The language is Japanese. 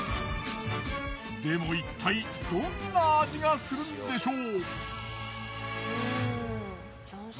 でもいったいどんな味がするんでしょう？